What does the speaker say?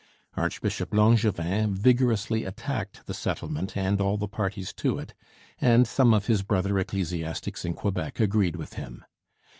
Archbishop Langevin vigorously attacked the settlement and all the parties to it, and some of his brother ecclesiastics in Quebec agreed with him.